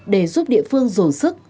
để giúp địa phương dồn sức